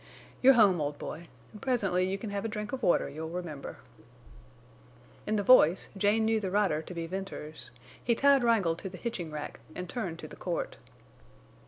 You're home, old boy, and presently you can have a drink of water you'll remember." In the voice Jane knew the rider to be Venters. He tied Wrangle to the hitching rack and turned to the court.